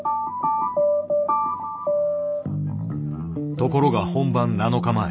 ところが本番７日前。